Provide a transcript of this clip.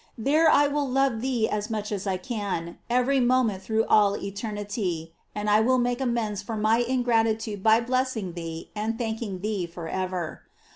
There I will love thee as much as I can, every moment through all eternity, and I will make amends for my ingratitude by blessing thee and thanking thee forever.